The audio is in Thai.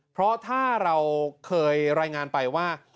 เพราะถ้าเราเคยรายงานไปว่า